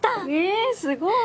えすごい。